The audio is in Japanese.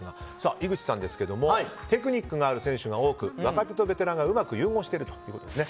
井口さんですがテクニックがある選手が多く若手とベテランがうまく融合しているということですね。